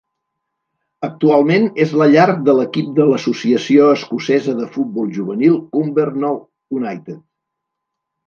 Actualment és la llar de l'equip de l'Associació Escocesa de Futbol Juvenil Cumbernauld United.